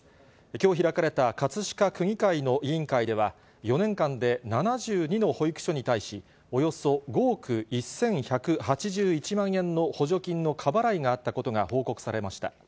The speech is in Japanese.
きょう開かれた葛飾区議会の委員会では、４年間で７２の保育所に対し、およそ５億１１８１万円の補助金の過払いがあったことが報告されました。